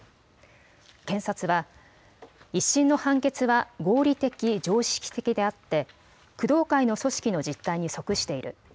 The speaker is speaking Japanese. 検察は１審の判決は合理的、常識的であって工藤会の組織の実態に即している。